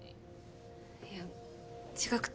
いや違くて。